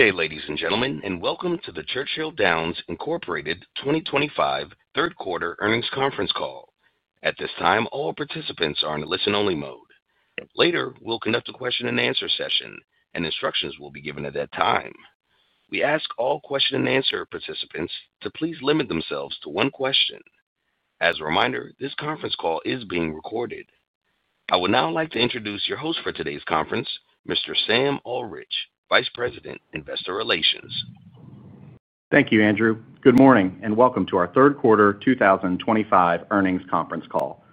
Good day, ladies and gentlemen, and welcome to the Churchill Downs Incorporated 2025 third quarter earnings conference call. At this time, all participants are in a listen-only mode. Later, we'll conduct a question and answer session, and instructions will be given at that time. We ask all question and answer participants to please limit themselves to one question. As a reminder, this conference call is being recorded. I would now like to introduce your host for today's conference, Mr. Sam Ullrich, Vice President, Investor Relations. Thank you, Andrew. Good morning and welcome to our third quarter 2025 earnings conference call.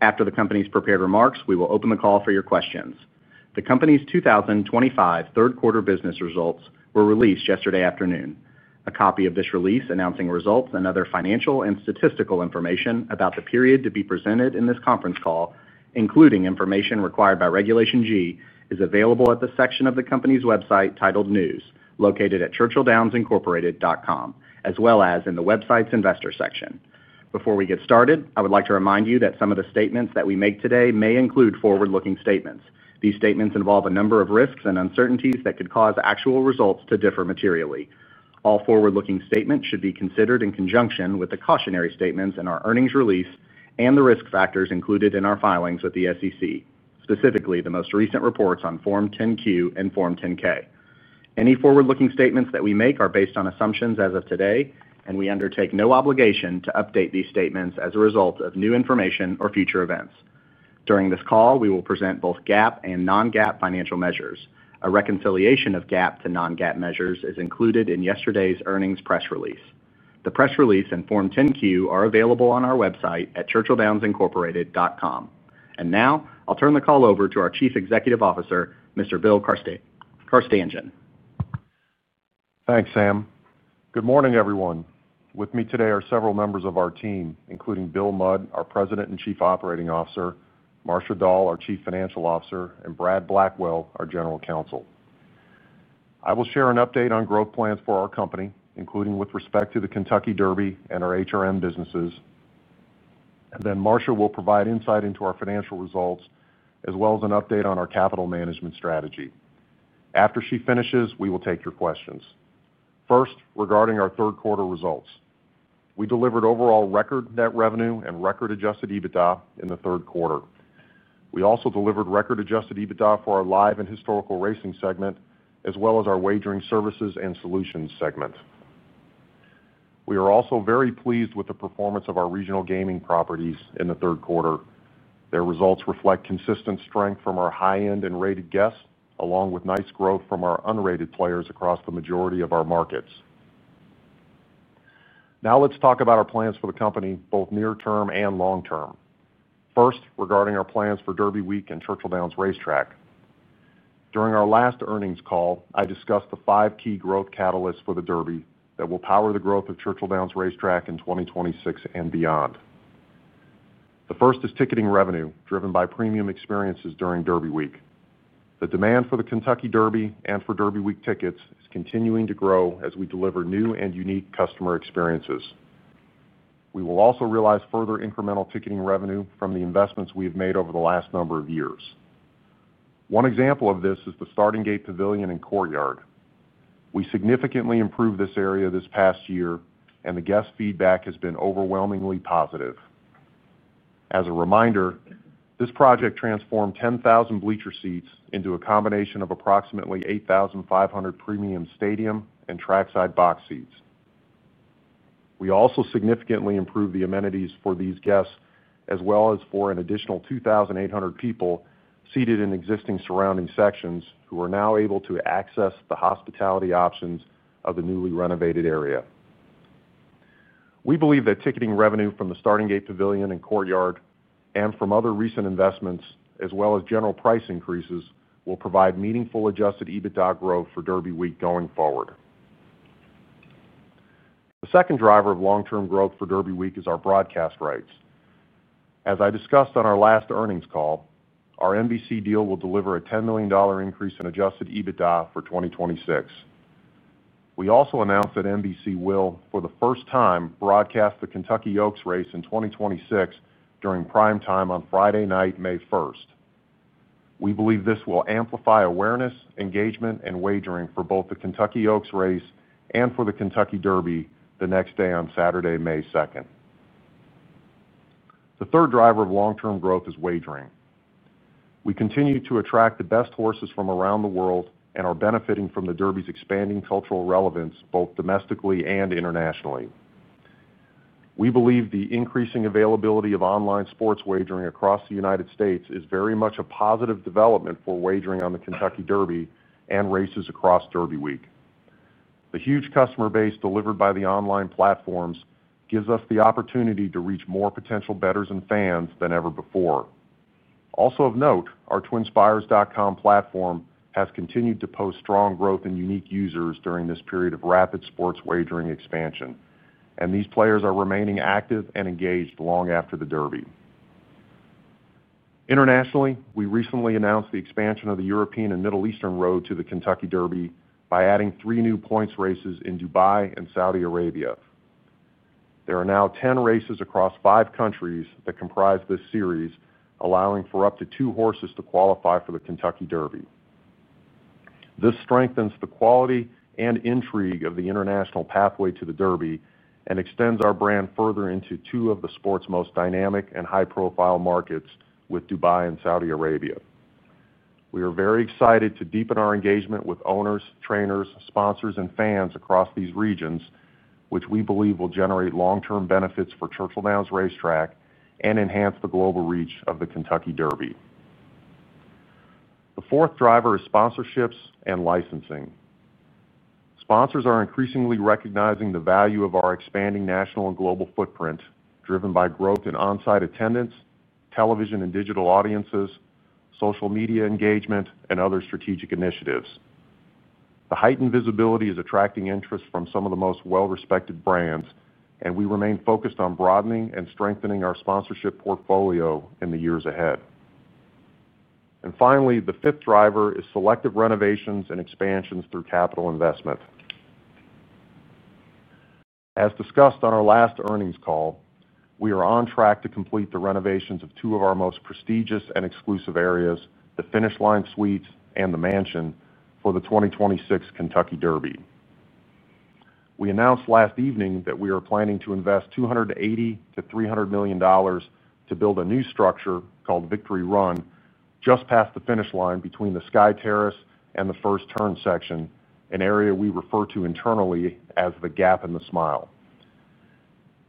After the company's prepared remarks, we will open the call for your questions. The company's 2025 third quarter business results were released yesterday afternoon. A copy of this release announcing results and other financial and statistical information about the period to be presented in this conference call, including information required by Regulation G, is available at the section of the company's website titled News, located at churchilldownsincorporated.com, as well as in the website's Investor section. Before we get started, I would like to remind you that some of the statements that we make today may include forward-looking statements. These statements involve a number of risks and uncertainties that could cause actual results to differ materially. All forward-looking statements should be considered in conjunction with the cautionary statements in our earnings release and the risk factors included in our filings with the SEC, specifically the most recent reports on Form 10-Q and Form 10-K. Any forward-looking statements that we make are based on assumptions as of today, and we undertake no obligation to update these statements as a result of new information or future events. During this call, we will present both GAAP and non-GAAP financial measures. A reconciliation of GAAP to non-GAAP measures is included in yesterday's earnings press release. The press release and Form 10-Q are available on our website at churchilldownsincorporated.com. Now, I'll turn the call over to our Chief Executive Officer, Mr. Bill Carstanjen. Thanks, Sam. Good morning, everyone. With me today are several members of our team, including Bill Mudd, our President and Chief Operating Officer, Marcia Dall, our Chief Financial Officer, and Brad Blackwell, our General Counsel. I will share an update on growth plans for our company, including with respect to the Kentucky Derby and our HRM businesses. Marcia will provide insight into our financial results, as well as an update on our capital management strategy. After she finishes, we will take your questions. First, regarding our third quarter results, we delivered overall record net revenue and record adjusted EBITDA in the third quarter. We also delivered record adjusted EBITDA for our live and historical racing segment, as well as our wagering services and solutions segment. We are also very pleased with the performance of our regional gaming properties in the third quarter. Their results reflect consistent strength from our high-end and rated guests, along with nice growth from our unrated players across the majority of our markets. Now let's talk about our plans for the company, both near-term and long-term. First, regarding our plans for Derby Week and Churchill Downs Racetrack. During our last earnings call, I discussed the five key growth catalysts for the Derby that will power the growth of Churchill Downs Racetrack in 2026 and beyond. The first is ticketing revenue, driven by premium experiences during Derby Week. The demand for the Kentucky Derby and for Derby Week tickets is continuing to grow as we deliver new and unique customer experiences. We will also realize further incremental ticketing revenue from the investments we have made over the last number of years. One example of this is the Starting Gate Pavilion and Courtyard. We significantly improved this area this past year, and the guest feedback has been overwhelmingly positive. As a reminder, this project transformed 10,000 bleacher seats into a combination of approximately 8,500 premium stadium and trackside box seats. We also significantly improved the amenities for these guests, as well as for an additional 2,800 people seated in existing surrounding sections, who are now able to access the hospitality options of the newly renovated area. We believe that ticketing revenue from the Starting Gate Pavilion and Courtyard and from other recent investments, as well as general price increases, will provide meaningful adjusted EBITDA growth for Derby Week going forward. The second driver of long-term growth for Derby Week is our broadcast rights. As I discussed on our last earnings call, our NBC deal will deliver a $10 million increase in adjusted EBITDA for 2026. We also announced that NBC will, for the first time, broadcast the Kentucky Oaks race in 2026 during prime time on Friday night, May 1st. We believe this will amplify awareness, engagement, and wagering for both the Kentucky Oaks race and for the Kentucky Derby the next day on Saturday, May 2nd. The third driver of long-term growth is wagering. We continue to attract the best horses from around the world and are benefiting from the Derby's expanding cultural relevance, both domestically and internationally. We believe the increasing availability of online sports wagering across the U.S. is very much a positive development for wagering on the Kentucky Derby and races across Derby Week. The huge customer base delivered by the online platforms gives us the opportunity to reach more potential bettors and fans than ever before. Also of note, our twinspires.com platform has continued to post strong growth in unique users during this period of rapid sports wagering expansion, and these players are remaining active and engaged long after the Derby. Internationally, we recently announced the expansion of the European and Middle Eastern Road to the Kentucky Derby by adding three new points races in Dubai and Saudi Arabia. There are now 10 races across five countries that comprise this series, allowing for up to two horses to qualify for the Kentucky Derby. This strengthens the quality and intrigue of the international pathway to the Derby and extends our brand further into two of the sport's most dynamic and high-profile markets, with Dubai and Saudi Arabia. We are very excited to deepen our engagement with owners, trainers, sponsors, and fans across these regions, which we believe will generate long-term benefits for Churchill Downs Racetrack and enhance the global reach of the Kentucky Derby. The fourth driver is sponsorships and licensing. Sponsors are increasingly recognizing the value of our expanding national and global footprint, driven by growth in onsite attendance, television and digital audiences, social media engagement, and other strategic initiatives. The heightened visibility is attracting interest from some of the most well-respected brands, and we remain focused on broadening and strengthening our sponsorship portfolio in the years ahead. Finally, the fifth driver is selective renovations and expansions through capital investment. As discussed on our last earnings call, we are on track to complete the renovations of two of our most prestigious and exclusive areas, the Finish Line Suites and The Mansion, for the 2026 Kentucky Derby. We announced last evening that we are planning to invest $280 million-$300 million to build a new structure called Victory Run, just past the finish line between the Sky Terrace and the first turn section, an area we refer to internally as the Gap and the Smile.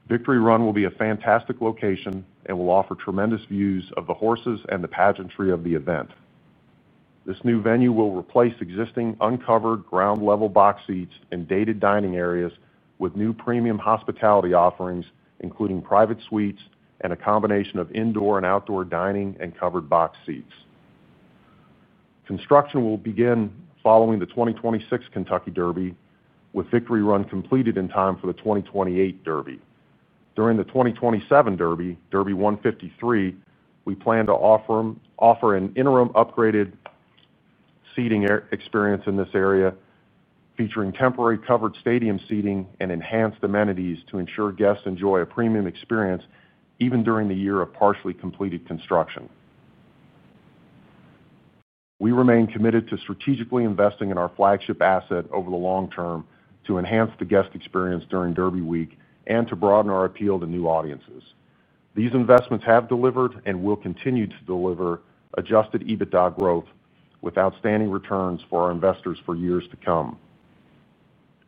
Victory Run will be a fantastic location and will offer tremendous views of the horses and the pageantry of the event. This new venue will replace existing uncovered ground-level box seats and dated dining areas with new premium hospitality offerings, including private suites and a combination of indoor and outdoor dining and covered box seats. Construction will begin following the 2026 Kentucky Derby, with Victory Run completed in time for the 2028 Derby. During the 2027 Derby, Derby 153, we plan to offer an interim upgraded seating experience in this area, featuring temporary covered stadium seating and enhanced amenities to ensure guests enjoy a premium experience even during the year of partially completed construction. We remain committed to strategically investing in our flagship asset over the long term to enhance the guest experience during Derby Week and to broaden our appeal to new audiences. These investments have delivered and will continue to deliver adjusted EBITDA growth with outstanding returns for our investors for years to come.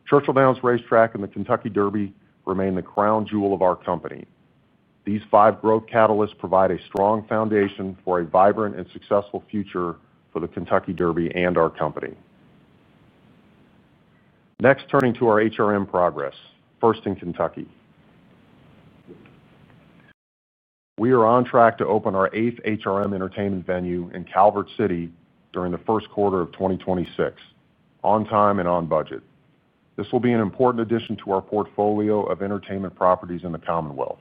Churchill Downs Racetrack and the Kentucky Derby remain the crown jewel of our company. These five growth catalysts provide a strong foundation for a vibrant and successful future for the Kentucky Derby and our company. Next, turning to our HRM progress, first in Kentucky. We are on track to open our eighth HRM entertainment venue in Calvert City during the first quarter of 2026, on time and on budget. This will be an important addition to our portfolio of entertainment properties in the Commonwealth.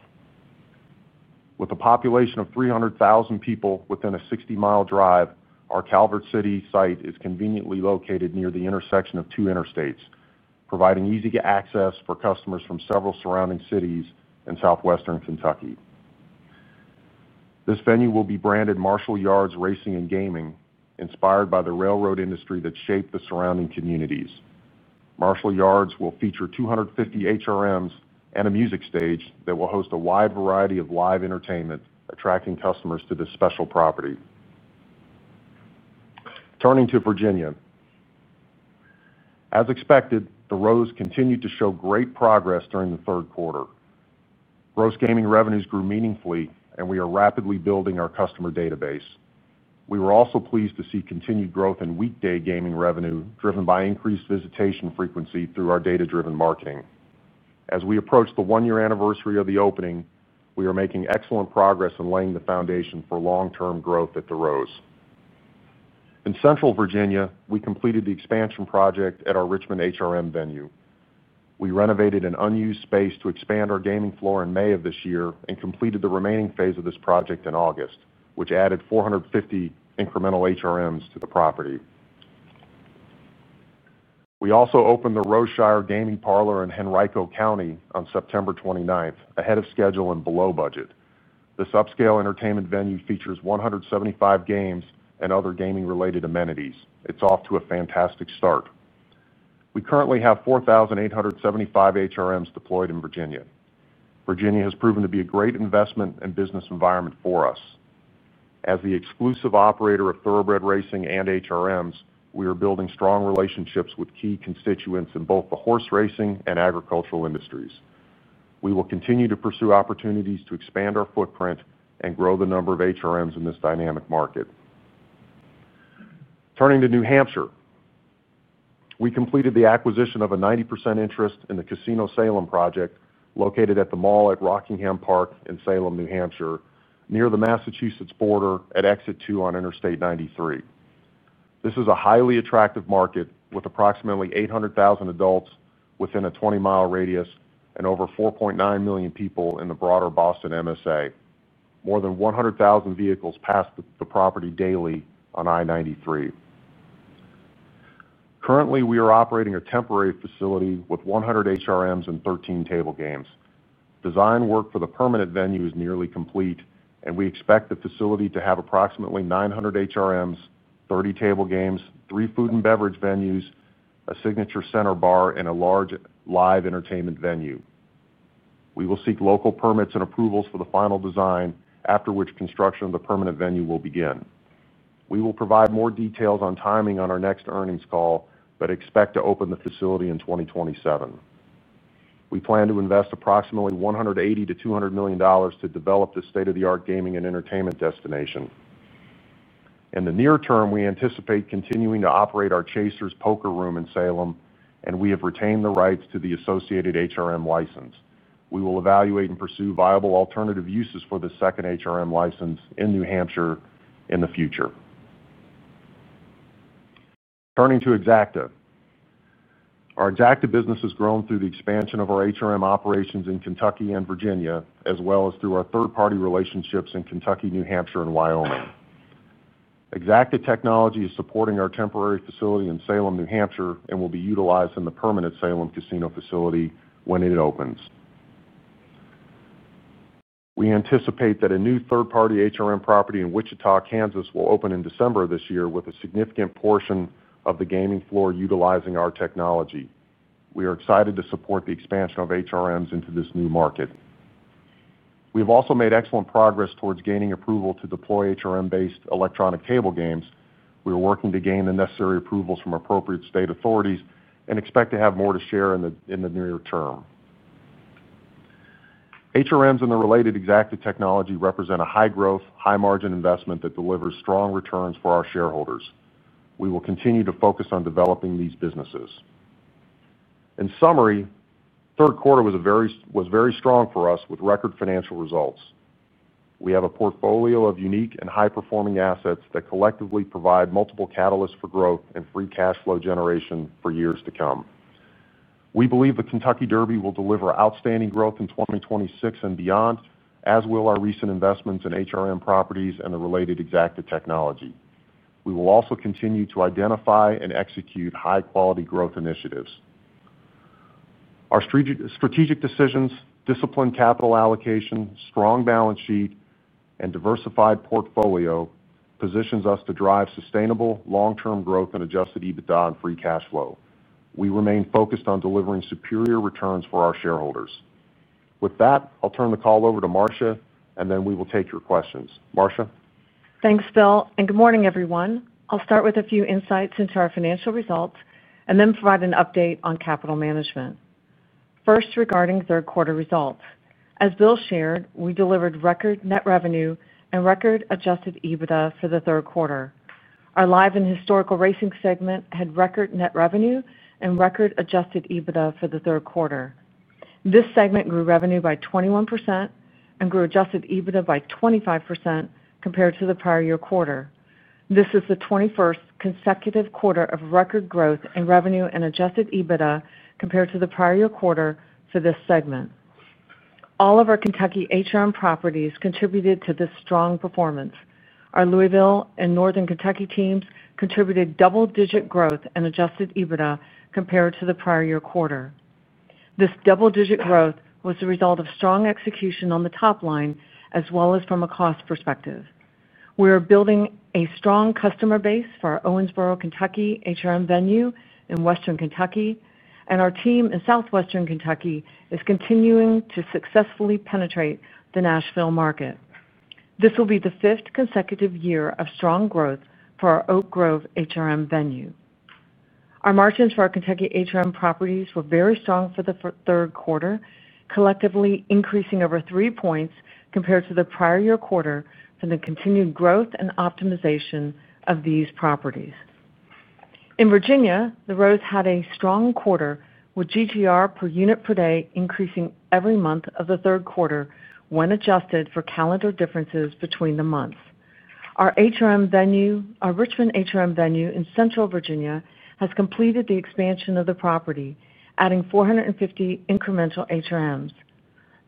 With a population of 300,000 people within a 60-mi drive, our Calvert City site is conveniently located near the intersection of two interstates, providing easy access for customers from several surrounding cities in southwestern Kentucky. This venue will be branded Marshall Yards Racing and Gaming, inspired by the railroad industry that shaped the surrounding communities. Marshall Yards will feature 250 HRMs and a music stage that will host a wide variety of live entertainment, attracting customers to this special property. Turning to Virginia. As expected, The Rose continued to show great progress during the third quarter. The Rose gaming revenues grew meaningfully, and we are rapidly building our customer database. We were also pleased to see continued growth in weekday gaming revenue, driven by increased visitation frequency through our data-driven marketing. As we approach the one-year anniversary of the opening, we are making excellent progress in laying the foundation for long-term growth at The Rose. In central Virginia, we completed the expansion project at our Richmond HRM venue. We renovated an unused space to expand our gaming floor in May of this year and completed the remaining phase of this project in August, which added 450 incremental HRMs to the property. We also opened the Roseshire Gaming Parlor in Henrico County on September 29, ahead of schedule and below budget. This upscale entertainment venue features 175 games and other gaming-related amenities. It's off to a fantastic start. We currently have 4,875 HRMs deployed in Virginia. Virginia has proven to be a great investment and business environment for us. As the exclusive operator of thoroughbred racing and HRMs, we are building strong relationships with key constituents in both the horse racing and agricultural industries. We will continue to pursue opportunities to expand our footprint and grow the number of HRMs in this dynamic market. Turning to New Hampshire, we completed the acquisition of a 90% interest in the Casino Salem project, located at the mall at Rockingham Park in Salem, New Hampshire, near the Massachusetts border at Exit 2 on Interstate 93. This is a highly attractive market with approximately 800,000 adults within a 20-mi radius and over 4.9 million people in the broader Boston MSA. More than 100,000 vehicles pass the property daily on I-93. Currently, we are operating a temporary facility with 100 HRMs and 13 table games. Design work for the permanent venue is nearly complete, and we expect the facility to have approximately 900 HRMs, 30 table games, three food and beverage venues, a signature center bar, and a large live entertainment venue. We will seek local permits and approvals for the final design, after which construction of the permanent venue will begin. We will provide more details on timing on our next earnings call, but expect to open the facility in 2027. We plan to invest approximately $180 million-$200 million to develop this state-of-the-art gaming and entertainment destination. In the near term, we anticipate continuing to operate our Chasers Poker Room in Salem, and we have retained the rights to the associated HRM license. We will evaluate and pursue viable alternative uses for the second HRM license in New Hampshire in the future. Turning to Exacta. Our Exacta business has grown through the expansion of our HRM operations in Kentucky and Virginia, as well as through our third-party relationships in Kentucky, New Hampshire, and Wyoming. Exacta Technology is supporting our temporary facility in Salem, New Hampshire, and will be utilized in the permanent Casino Salem facility when it opens. We anticipate that a new third-party HRM property in Wichita, Kansas, will open in December of this year with a significant portion of the gaming floor utilizing our technology. We are excited to support the expansion of HRMs into this new market. We have also made excellent progress towards gaining approval to deploy HRM-based electronic table games. We are working to gain the necessary approvals from appropriate state authorities and expect to have more to share in the near term. HRMs and the related Exacta Technology represent a high-growth, high-margin investment that delivers strong returns for our shareholders. We will continue to focus on developing these businesses. In summary, the third quarter was very strong for us with record financial results. We have a portfolio of unique and high-performing assets that collectively provide multiple catalysts for growth and free cash flow generation for years to come. We believe the Kentucky Derby will deliver outstanding growth in 2026 and beyond, as will our recent investments in HRM properties and the related Exacta Technology. We will also continue to identify and execute high-quality growth initiatives. Our strategic decisions, disciplined capital allocation, strong balance sheet, and diversified portfolio position us to drive sustainable long-term growth in adjusted EBITDA and free cash flow. We remain focused on delivering superior returns for our shareholders. With that, I'll turn the call over to Marcia, and then we will take your questions. Marcia. Thanks, Bill, and good morning, everyone. I'll start with a few insights into our financial results and then provide an update on capital management. First, regarding third quarter results. As Bill shared, we delivered record net revenue and record adjusted EBITDA for the third quarter. Our live and historical racing segment had record net revenue and record adjusted EBITDA for the third quarter. This segment grew revenue by 21% and grew adjusted EBITDA by 25% compared to the prior year quarter. This is the 21st consecutive quarter of record growth in revenue and adjusted EBITDA compared to the prior year quarter for this segment. All of our Kentucky HRM properties contributed to this strong performance. Our Louisville and Northern Kentucky teams contributed double-digit growth in adjusted EBITDA compared to the prior year quarter. This double-digit growth was the result of strong execution on the top line, as well as from a cost perspective. We are building a strong customer base for our Owensboro, Kentucky HRM venue in Western Kentucky, and our team in southwestern Kentucky is continuing to successfully penetrate the Nashville market. This will be the fifth consecutive year of strong growth for our Oak Grove HRM venue. Our margins for our Kentucky HRM properties were very strong for the third quarter, collectively increasing over three points compared to the prior year quarter from the continued growth and optimization of these properties. In Virginia, The Rose had a strong quarter with GTR per unit per day increasing every month of the third quarter when adjusted for calendar differences between the months. Our Richmond HRM venue in central Virginia has completed the expansion of the property, adding 450 incremental HRMs.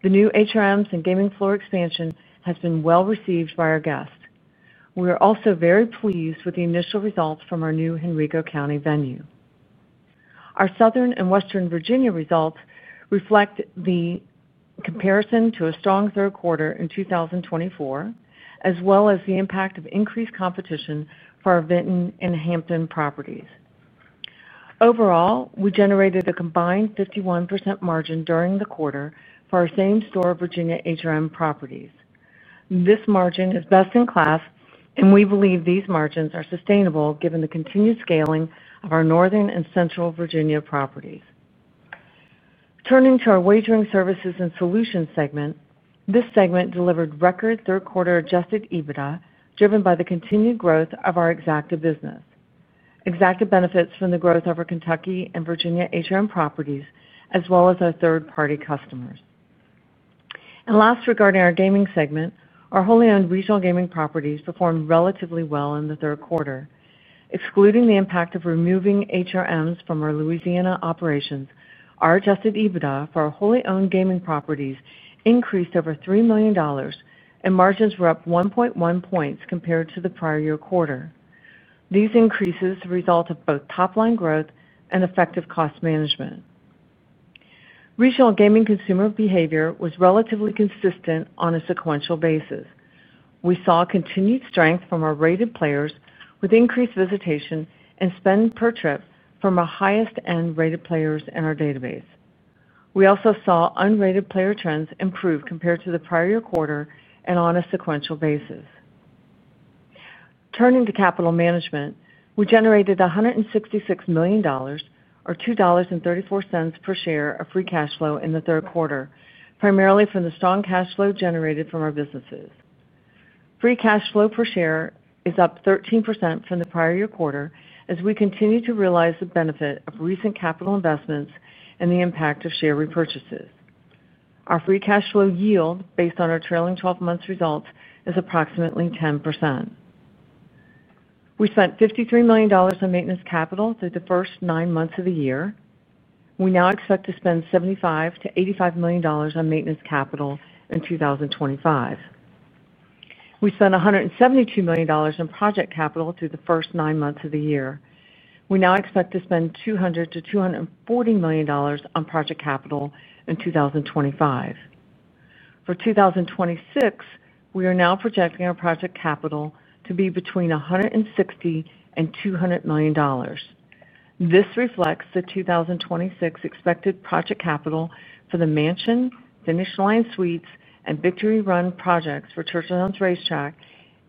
The new HRMs and gaming floor expansion has been well received by our guests. We are also very pleased with the initial results from our new Henrico County venue. Our southern and western Virginia results reflect the comparison to a strong third quarter in 2024, as well as the impact of increased competition for our Vinton and Hampton properties. Overall, we generated a combined 51% margin during the quarter for our same store of Virginia HRM properties. This margin is best-in-class, and we believe these margins are sustainable given the continued scaling of our northern and central Virginia properties. Turning to our Wagering Services and Solutions segment, this segment delivered record third-quarter adjusted EBITDA driven by the continued growth of our Exacta business. Exacta benefits from the growth of our Kentucky and Virginia HRM properties, as well as our third-party customers. Last, regarding our Gaming segment, our wholly owned regional gaming properties performed relatively well in the third quarter. Excluding the impact of removing HRMs from our Louisiana operations, our adjusted EBITDA for our wholly owned gaming properties increased over $3 million, and margins were up 1.1 points compared to the prior year quarter. These increases are a result of both top-line growth and effective cost management. Regional gaming consumer behavior was relatively consistent on a sequential basis. We saw continued strength from our rated players with increased visitation and spend per trip from our highest-end rated players in our database. We also saw unrated player trends improve compared to the prior year quarter and on a sequential basis. Turning to capital management, we generated $166 million, or $2.34 per share of free cash flow in the third quarter, primarily from the strong cash flow generated from our businesses. Free cash flow per share is up 13% from the prior year quarter as we continue to realize the benefit of recent capital investments and the impact of share repurchases. Our free cash flow yield, based on our trailing 12 months' results, is approximately 10%. We spent $53 million in maintenance capital through the first nine months of the year. We now expect to spend $75million-$85 million in maintenance capital in 2025. We spent $172 million in project capital through the first nine months of the year. We now expect to spend $200 million-$240 million on project capital in 2025. For 2026, we are now projecting our project capital to be between $160 million-$200 million. This reflects the 2026 expected project capital for The Mansion, Finish Line Suites, and Victory Run projects for Churchill Downs Racetrack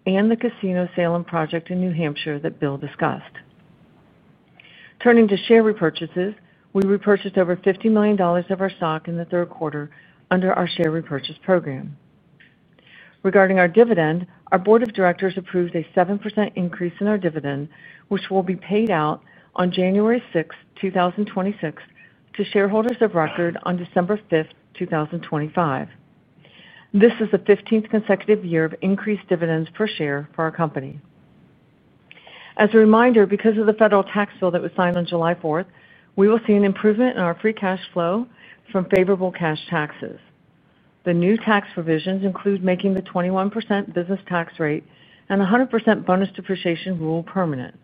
and the Casino Salem project in New Hampshire that Bill discussed. Turning to share repurchases, we repurchased over $50 million of our stock in the third quarter under our share repurchase program. Regarding our dividend, our Board of Directors approved a 7% increase in our dividend, which will be paid out on January 6, 2026 to shareholders of record on December 5, 2025. This is the 15th consecutive year of increased dividends per share for our company. As a reminder, because of the federal tax bill that was signed on July 4th, we will see an improvement in our free cash flow from favorable cash taxes. The new tax revisions include making the 21% business tax rate and 100% bonus depreciation rule permanent.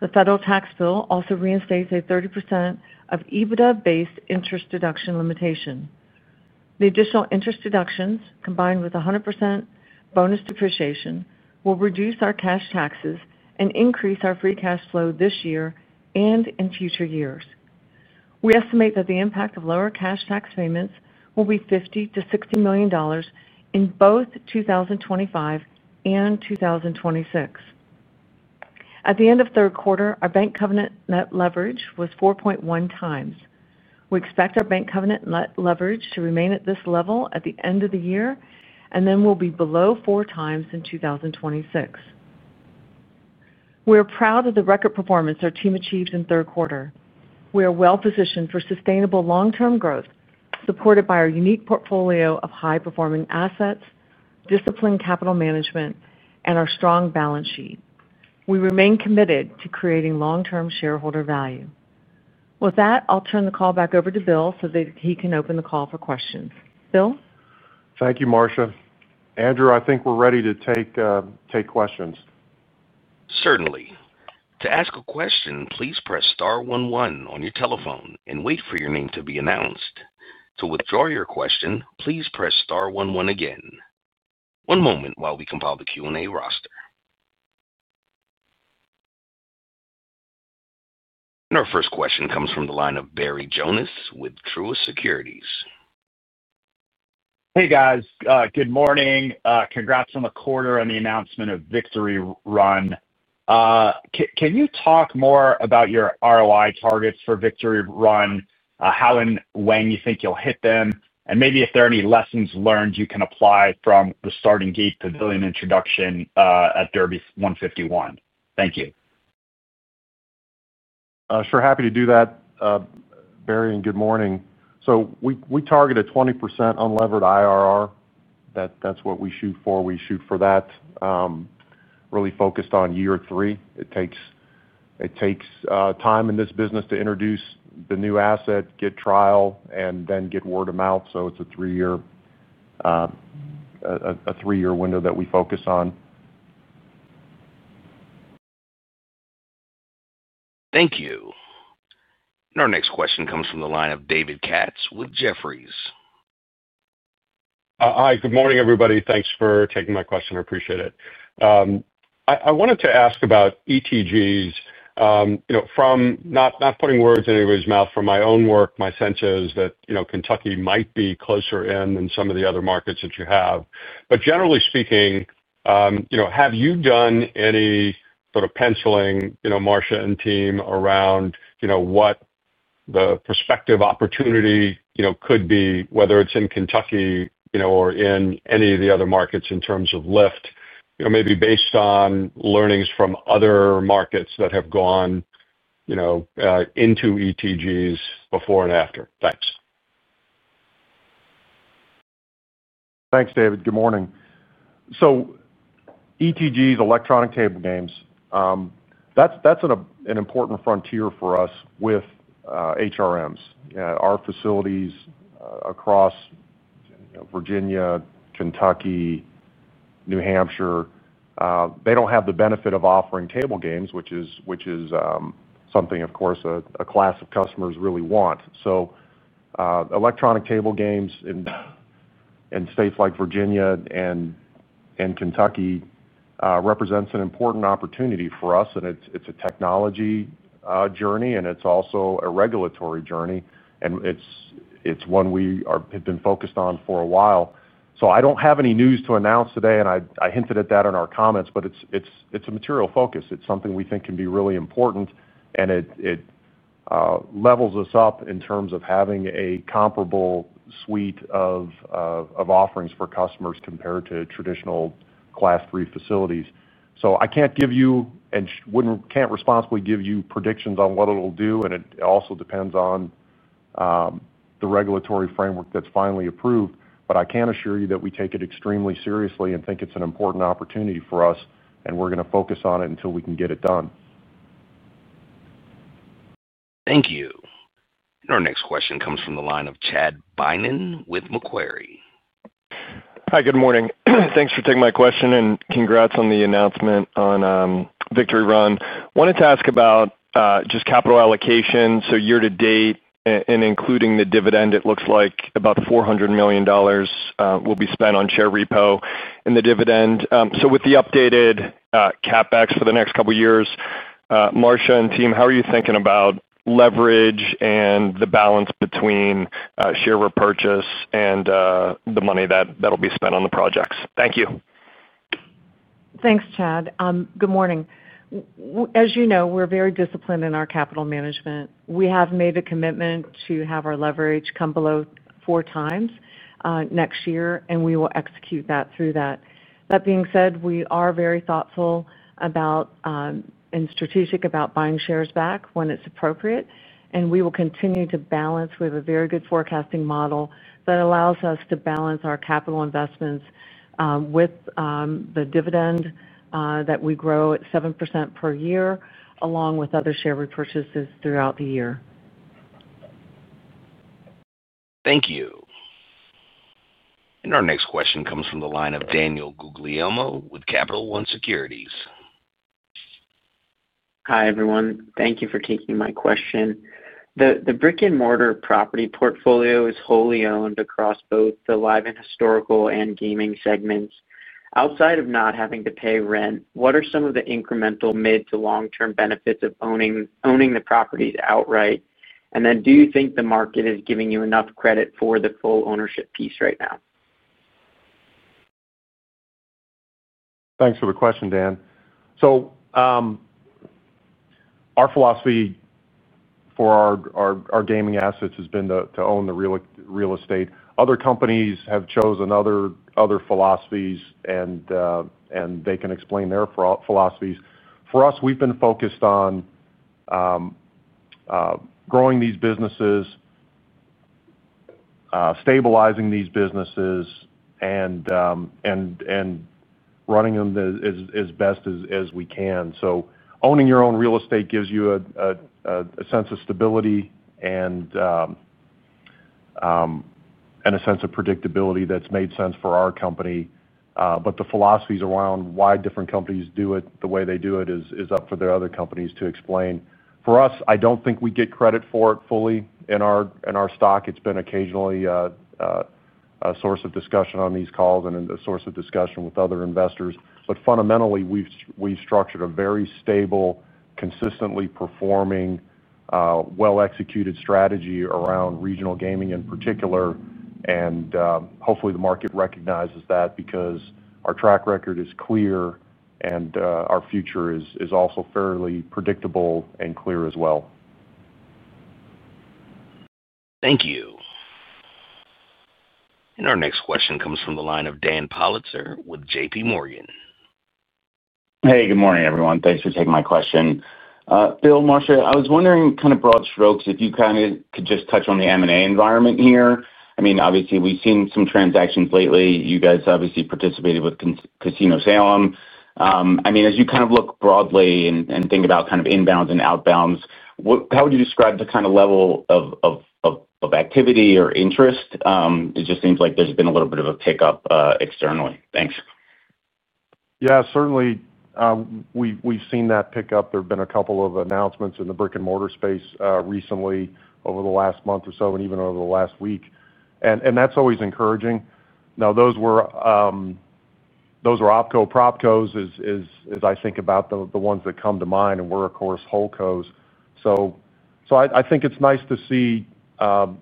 The federal tax bill also reinstates a 30% of EBITDA-based interest deduction limitation. The additional interest deductions, combined with 100% bonus depreciation, will reduce our cash taxes and increase our free cash flow this year and in future years. We estimate that the impact of lower cash tax payments will be $50 million-$60 million in both 2025 and 2026. At the end of the third quarter, our bank covenant net leverage was 4.1x. We expect our bank covenant net leverage to remain at this level at the end of the year, and then we'll be below 4x in 2026. We are proud of the record performance our team achieved in the third quarter. We are well positioned for sustainable long-term growth, supported by our unique portfolio of high-performing assets, disciplined capital management, and our strong balance sheet. We remain committed to creating long-term shareholder value. With that, I'll turn the call back over to Bill so that he can open the call for questions. Bill? Thank you, Marcia. Andrew, I think we're ready to take questions. Certainly. To ask a question, please press star one one on your telephone and wait for your name to be announced. To withdraw your question, please press star one one again. One moment while we compile the Q&A roster. Our first question comes from the line of Barry Jonas with Truist Securities. Hey, guys. Good morning. Congrats on the quarter and the announcement of Victory Run. Can you talk more about your ROI targets for Victory Run, how and when you think you'll hit them, and maybe if there are any lessons learned you can apply from the Starting Gate Pavilion introduction at Derby 151? Thank you. Sure, happy to do that. Barry, and good morning. We target a 20% unlevered IRR. That's what we shoot for. We shoot for that, really focused on year three. It takes time in this business to introduce the new asset, get trial, and then get word of mouth. It's a three-year window that we focus on. Thank you. Our next question comes from the line of David Katz with Jefferies LLC. Hi. Good morning, everybody. Thanks for taking my question. I appreciate it. I wanted to ask about ETGs. From not putting words in anybody's mouth, from my own work, my sense is that Kentucky might be closer in than some of the other markets that you have. Generally speaking, have you done any sort of penciling, Marcia and team, around what the prospective opportunity could be, whether it's in Kentucky or in any of the other markets in terms of lift, maybe based on learnings from other markets that have gone into ETGs before and after? Thanks. Thanks, David. Good morning. ETGs, electronic table games, that's an important frontier for us with HRMs. Our facilities across Virginia, Kentucky, New Hampshire, they don't have the benefit of offering table games, which is something, of course, a class of customers really want. Electronic table games in states like Virginia and Kentucky represents an important opportunity for us. It's a technology journey, and it's also a regulatory journey. It's one we have been focused on for a while. I don't have any news to announce today, and I hinted at that in our comments, but it's a material focus. It's something we think can be really important, and it levels us up in terms of having a comparable suite of offerings for customers compared to traditional class-three facilities. I can't give you and can't responsibly give you predictions on what it'll do, and it also depends on the regulatory framework that's finally approved. I can assure you that we take it extremely seriously and think it's an important opportunity for us, and we're going to focus on it until we can get it done. Thank you. Our next question comes from the line of Chad Beynon with Macquarie. Hi. Good morning. Thanks for taking my question and congrats on the announcement on Victory Run. I wanted to ask about just capital allocation. Year-to-date, and including the dividend, it looks like about $400 million will be spent on share repurchase and the dividend. With the updated CapEx for the next couple of years, Marcia and team, how are you thinking about leverage and the balance between share repurchase and the money that'll be spent on the projects? Thank you. Thanks, Chad. Good morning. As you know, we're very disciplined in our capital management. We have made a commitment to have our leverage come below 4x next year, and we will execute that through that. That being said, we are very thoughtful about and strategic about buying shares back when it's appropriate, and we will continue to balance. We have a very good forecasting model that allows us to balance our capital investments with the dividend that we grow at 7% per year, along with other share repurchases throughout the year. Thank you. Our next question comes from the line of Daniel Guglielmo with Capital One Securities. Hi, everyone. Thank you for taking my question. The brick-and-mortar property portfolio is wholly owned across both the live and historical and gaming segments. Outside of not having to pay rent, what are some of the incremental mid-to-long-term benefits of owning the properties outright? Do you think the market is giving you enough credit for the full ownership piece right now? Thanks for the question, Dan. Our philosophy for our gaming assets has been to own the real estate. Other companies have chosen other philosophies, and they can explain their philosophies. For us, we've been focused on growing these businesses, stabilizing these businesses, and running them as best as we can. Owning your own real estate gives you a sense of stability and a sense of predictability that's made sense for our company. The philosophies around why different companies do it the way they do it is up for the other companies to explain. For us, I don't think we get credit for it fully in our stock. It's been occasionally a source of discussion on these calls and a source of discussion with other investors. Fundamentally, we've structured a very stable, consistently performing, well-executed strategy around regional gaming in particular. Hopefully, the market recognizes that because our track record is clear and our future is also fairly predictable and clear as well. Thank you. Our next question comes from the line of Daniel Politzer with JPMorgan. Hey, good morning, everyone. Thanks for taking my question. Bill, Marcia, I was wondering, kind of broad strokes, if you could just touch on the M&A environment here. I mean, obviously, we've seen some transactions lately. You guys obviously participated with Casino Salem. I mean, as you look broadly and think about inbounds and outbounds, how would you describe the level of activity or interest? It just seems like there's been a little bit of a pickup externally. Thanks. Yeah, certainly, we've seen that pickup. There have been a couple of announcements in the brick-and-mortar space recently over the last month or so and even over the last week. That's always encouraging. Now, those were OpCos, PropCos, as I think about the ones that come to mind, and we're, of course, HoldCos. I think it's nice to see some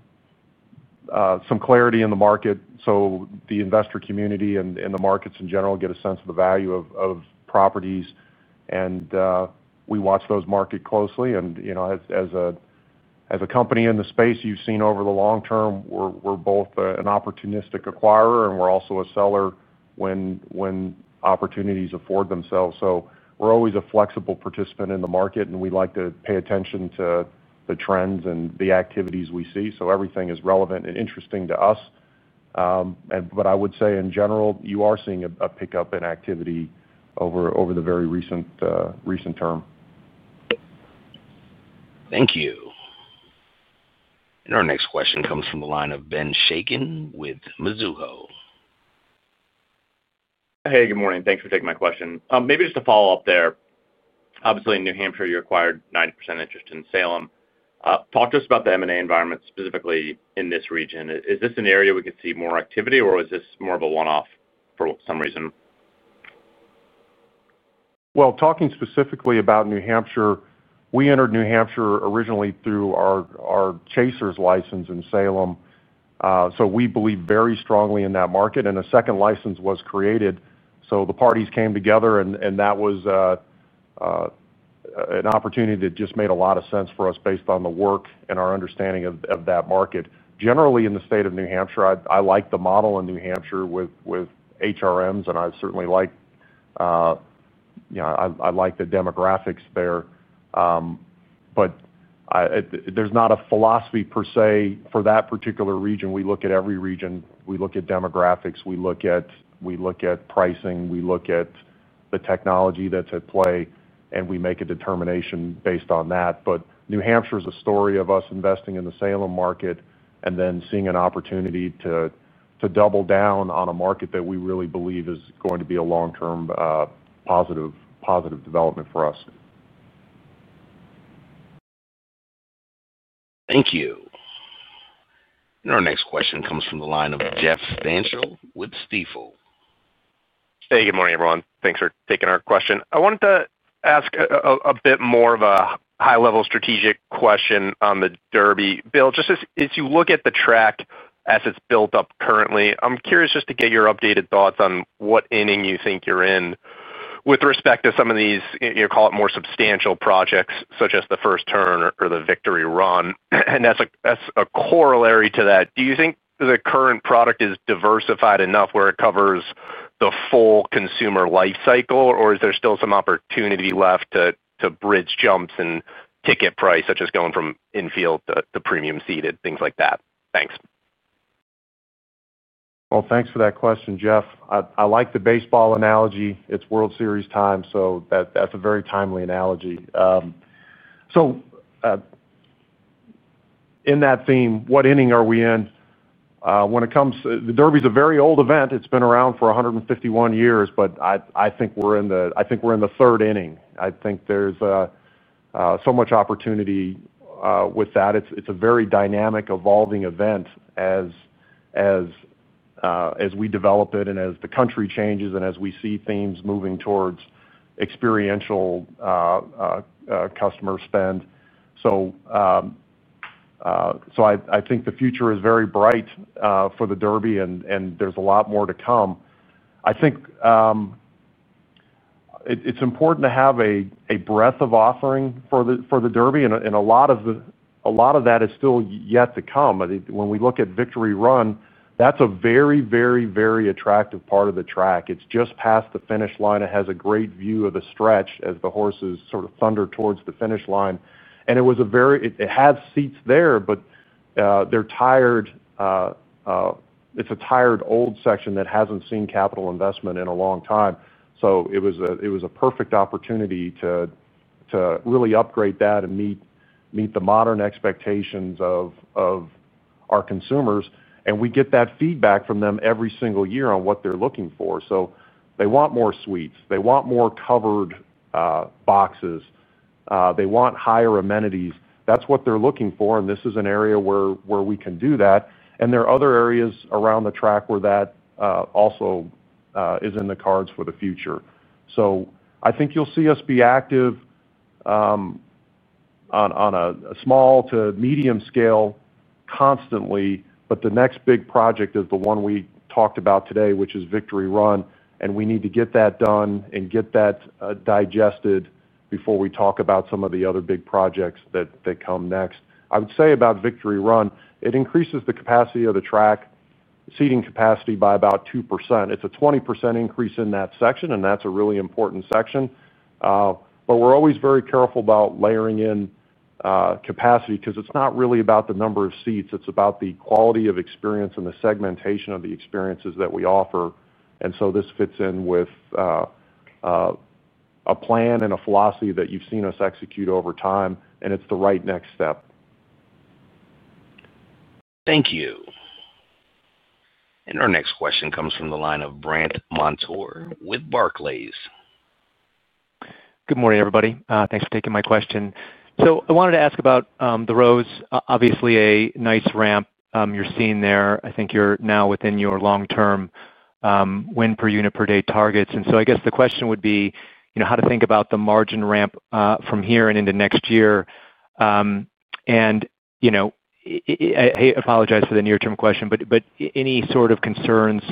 clarity in the market so the investor community and the markets in general get a sense of the value of properties. We watch those markets closely. You know, as a company in the space, you've seen over the long term, we're both an opportunistic acquirer and we're also a seller when opportunities afford themselves. We're always a flexible participant in the market, and we like to pay attention to the trends and the activities we see. Everything is relevant and interesting to us. I would say in general, you are seeing a pickup in activity over the very recent term. Thank you. Our next question comes from the line of Ben Chaiken with Mizuho. Hey, good morning. Thanks for taking my question. Maybe just a follow-up there. Obviously, in New Hampshire, you acquired 90% interest in Salem. Talk to us about the M&A environment specifically in this region. Is this an area we could see more activity, or is this more of a one-off for some reason? Talking specifically about New Hampshire, we entered New Hampshire originally through our Chasers license in Salem. We believe very strongly in that market, and a second license was created. The parties came together, and that was an opportunity that just made a lot of sense for us based on the work and our understanding of that market. Generally, in the state of New Hampshire, I like the model in New Hampshire with HRMs, and I certainly like the demographics there. There's not a philosophy per se for that particular region. We look at every region. We look at demographics. We look at pricing. We look at the technology that's at play, and we make a determination based on that. New Hampshire is a story of us investing in the Salem market and then seeing an opportunity to double down on a market that we really believe is going to be a long-term positive development for us. Thank you. Our next question comes from the line of Jeff Stantial with Stifel. Hey, good morning, everyone. Thanks for taking our question. I wanted to ask a bit more of a high-level strategic question on the Derby. Bill, just as you look at the track as it's built up currently, I'm curious just to get your updated thoughts on what inning you think you're in with respect to some of these, you know, call it more substantial projects such as the first turn or the Victory Run. As a corollary to that, do you think the current product is diversified enough where it covers the full consumer lifecycle, or is there still some opportunity left to bridge jumps in ticket price, such as going from infield to premium seated, things like that? Thanks. Thank you for that question, Jeff. I like the baseball analogy. It's World Series time, so that's a very timely analogy. In that theme, what inning are we in? When it comes to the Derby, it's a very old event. It's been around for 151 years, but I think we're in the third inning. I think there's so much opportunity with that. It's a very dynamic, evolving event as we develop it and as the country changes and as we see themes moving towards experiential customer spend. I think the future is very bright for the Derby, and there's a lot more to come. I think it's important to have a breadth of offering for the Derby, and a lot of that is still yet to come. When we look at Victory Run, that's a very, very, very attractive part of the track. It's just past the finish line. It has a great view of the stretch as the horses sort of thunder towards the finish line. It has seats there, but it's a tired old section that hasn't seen capital investment in a long time. It was a perfect opportunity to really upgrade that and meet the modern expectations of our consumers. We get that feedback from them every single year on what they're looking for. They want more suites. They want more covered boxes. They want higher amenities. That's what they're looking for, and this is an area where we can do that. There are other areas around the track where that also is in the cards for the future. I think you'll see us be active on a small to medium scale constantly, but the next big project is the one we talked about today, which is Victory Run, and we need to get that done and get that digested before we talk about some of the other big projects that come next. I would say about Victory Run, it increases the capacity of the track, seating capacity by about 2%. It's a 20% increase in that section, and that's a really important section. We're always very careful about layering in capacity because it's not really about the number of seats. It's about the quality of experience and the segmentation of the experiences that we offer. This fits in with a plan and a philosophy that you've seen us execute over time, and it's the right next step. Thank you. Our next question comes from the line of Brandt Montour with Barclays Bank PLC. Good morning, everybody. Thanks for taking my question. I wanted to ask about The Rose, obviously a nice ramp you're seeing there. I think you're now within your long-term win per unit per day targets. I guess the question would be how to think about the margin ramp from here and into next year. I apologize for the near-term question, but any sort of concerns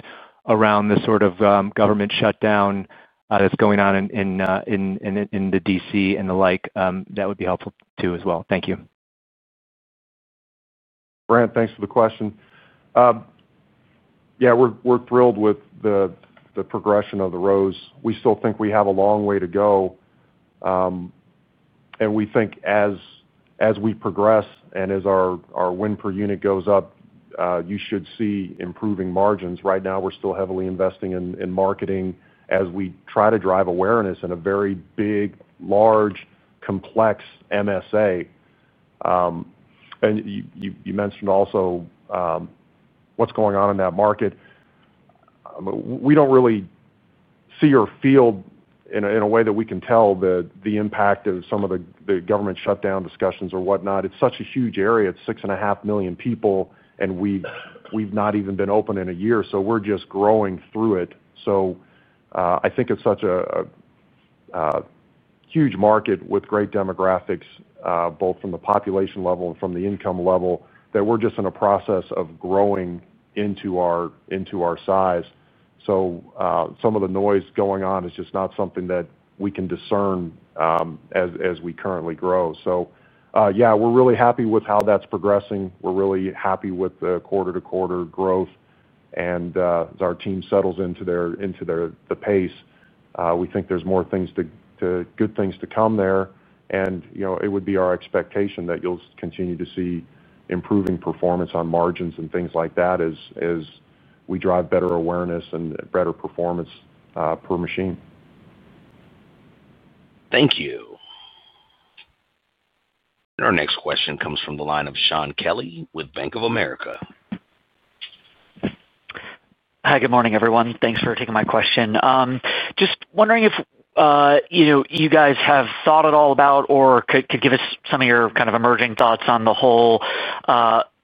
around the sort of government shutdown that's going on in D.C. and the like, that would be helpful too as well. Thank you. Brandt, thanks for the question. Yeah, we're thrilled with the progression of The Rose. We still think we have a long way to go, and we think as we progress and as our win per unit goes up, you should see improving margins. Right now, we're still heavily investing in marketing as we try to drive awareness in a very big, large, complex MSA. You mentioned also what's going on in that market. We don't really see or feel in a way that we can tell the impact of some of the government shutdown discussions or whatnot. It's such a huge area. It's 6.5 million people, and we've not even been open in a year. We're just growing through it. I think it's such a huge market with great demographics, both from the population level and from the income level, that we're just in a process of growing into our size. Some of the noise going on is just not something that we can discern as we currently grow. Yeah, we're really happy with how that's progressing. We're really happy with the quarter-to-quarter growth, and as our team settles into the pace, we think there's more good things to come there. It would be our expectation that you'll continue to see improving performance on margins and things like that as we drive better awareness and better performance per machine. Thank you. Our next question comes from the line of Shaun Kelley with BofA Securities. Hi, good morning, everyone. Thanks for taking my question. Just wondering if you guys have thought at all about or could give us some of your kind of emerging thoughts on the whole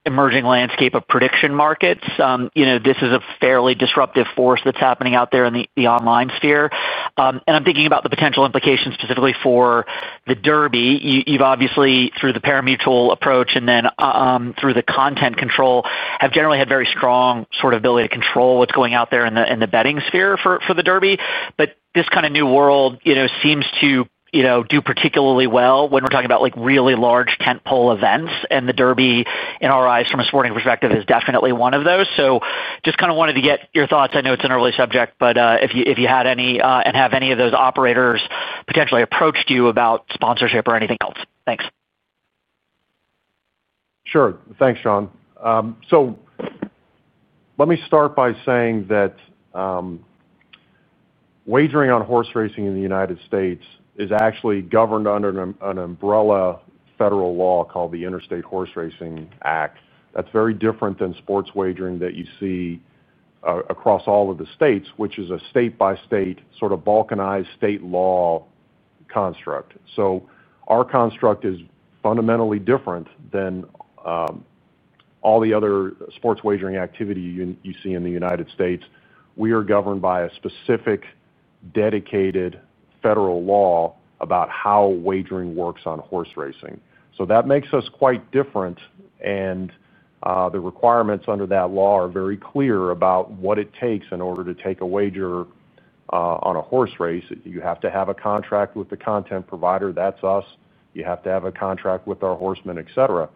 emerging landscape of prediction markets. This is a fairly disruptive force that's happening out there in the online sphere. I'm thinking about the potential implications specifically for the Derby. You've obviously, through the pari-mutuel approach and then through the content control, have generally had very strong sort of ability to control what's going out there in the betting sphere for the Derby. This kind of new world seems to do particularly well when we're talking about really large tentpole events. The Derby, in our eyes, from a sporting perspective, is definitely one of those. Just wanted to get your thoughts. I know it's an early subject, but if you had any and have any of those operators potentially approached you about sponsorship or anything else. Thanks. Sure. Thanks, Shaun. Let me start by saying that wagering on horse racing in the U.S. is actually governed under an umbrella federal law called the Interstate Horse Racing Act. That's very different than sports wagering that you see across all of the states, which is a state-by-state sort of balkanized state law construct. Our construct is fundamentally different than all the other sports wagering activity you see in the U.S. We are governed by a specific dedicated federal law about how wagering works on horse racing. That makes us quite different. The requirements under that law are very clear about what it takes in order to take a wager on a horse race. You have to have a contract with the content provider, that's us. You have to have a contract with our horsemen, etc.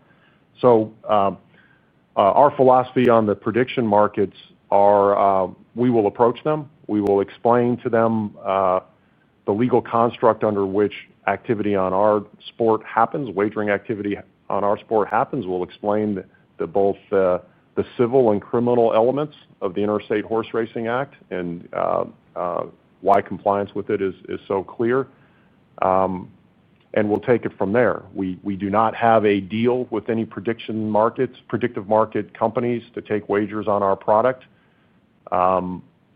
Our philosophy on the prediction markets is we will approach them. We will explain to them the legal construct under which activity on our sport happens. Wagering activity on our sport happens. We'll explain both the civil and criminal elements of the Interstate Horse Racing Act and why compliance with it is so clear. We'll take it from there. We do not have a deal with any predictive market companies to take wagers on our product.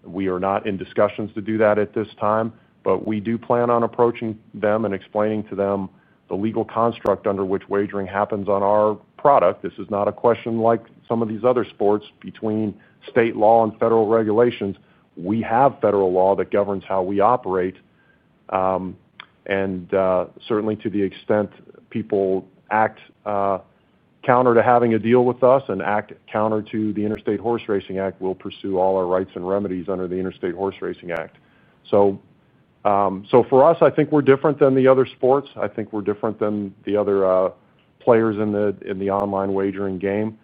We are not in discussions to do that at this time, but we do plan on approaching them and explaining to them the legal construct under which wagering happens on our product. This is not a question like some of these other sports between state law and federal regulations. We have federal law that governs how we operate. Certainly, to the extent people act counter to having a deal with us and act counter to the Interstate Horse Racing Act, we'll pursue all our rights and remedies under the Interstate Horse Racing Act. For us, I think we're different than the other sports. I think we're different than the other players in the online wagering game.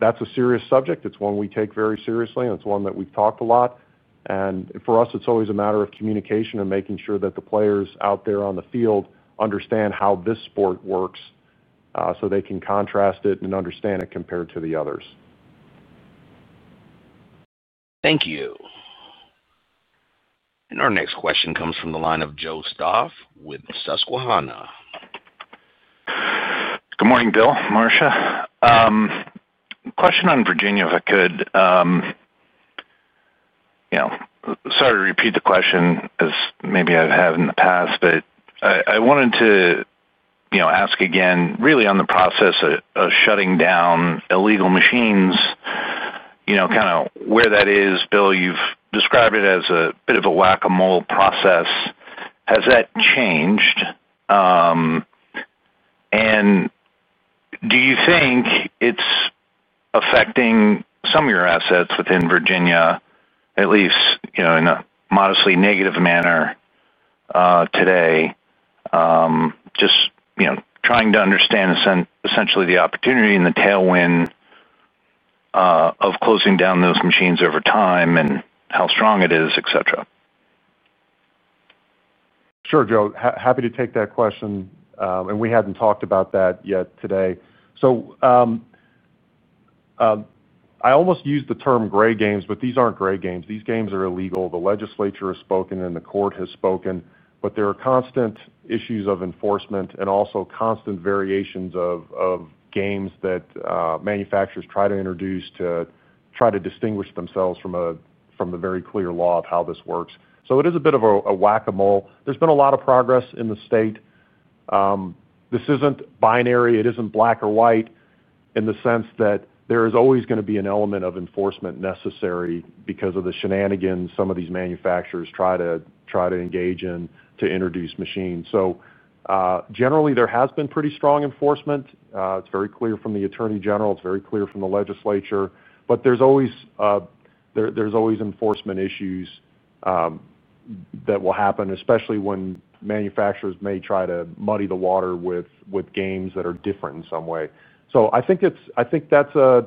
That's a serious subject. It's one we take very seriously, and it's one that we've talked a lot. For us, it's always a matter of communication and making sure that the players out there on the field understand how this sport works so they can contrast it and understand it compared to the others. Thank you. Our next question comes from the line of Joe Stauff with Susquehanna. Good morning, Bill, Marcia. Question on Virginia, if I could. Sorry to repeat the question as maybe I have in the past, but I wanted to ask again, really on the process of shutting down illegal machines, you know, kind of where that is. Bill, you've described it as a bit of a whack-a-mole process. Has that changed? Do you think it's affecting some of your assets within Virginia, at least, you know, in a modestly negative manner today? Just trying to understand essentially the opportunity and the tailwind of closing down those machines over time and how strong it is, etc. Sure, Joe. Happy to take that question. We hadn't talked about that yet today. I almost use the term gray games, but these aren't gray games. These games are illegal. The legislature has spoken and the court has spoken, but there are constant issues of enforcement and also constant variations of games that manufacturers try to introduce to try to distinguish themselves from the very clear law of how this works. It is a bit of a whack-a-mole. There's been a lot of progress in the state. This isn't binary. It isn't black or white in the sense that there is always going to be an element of enforcement necessary because of the shenanigans some of these manufacturers try to engage in to introduce machines. Generally, there has been pretty strong enforcement. It's very clear from the Attorney General. It's very clear from the legislature. There's always enforcement issues that will happen, especially when manufacturers may try to muddy the water with games that are different in some way. I think that's a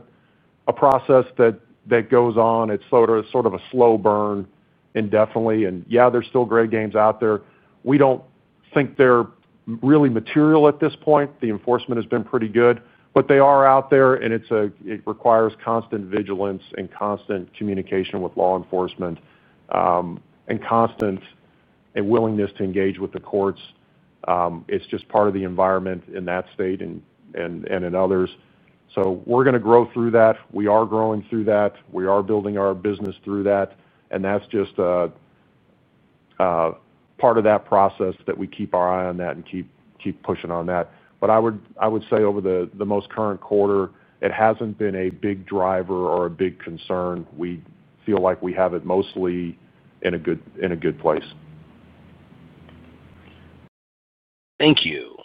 process that goes on. It's sort of a slow burn indefinitely. Yeah, there's still gray games out there. We don't think they're really material at this point. The enforcement has been pretty good, but they are out there, and it requires constant vigilance and constant communication with law enforcement and constant willingness to engage with the courts. It's just part of the environment in that state and in others. We're going to grow through that. We are growing through that. We are building our business through that. That's just part of that process that we keep our eye on that and keep pushing on that. I would say over the most current quarter, it hasn't been a big driver or a big concern. We feel like we have it mostly in a good place. Thank you.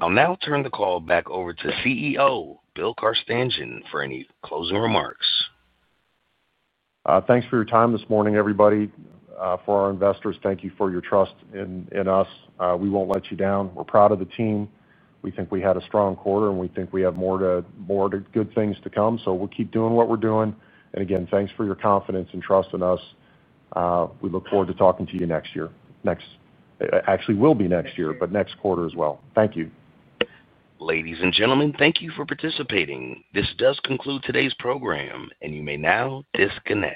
I'll now turn the call back over to CEO Bill Carstanjen for any closing remarks. Thanks for your time this morning, everybody. For our investors, thank you for your trust in us. We won't let you down. We're proud of the team. We think we had a strong quarter, and we think we have more good things to come. We'll keep doing what we're doing. Again, thanks for your confidence and trust in us. We look forward to talking to you next year, actually, next quarter as well. Thank you. Ladies and gentlemen, thank you for participating. This does conclude today's program, and you may now disconnect.